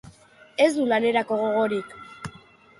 Ez du lanerako gogorik.